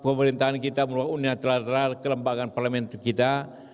pemerintahan kita merupakan uniknya terhadap kelembagaan parlementari kita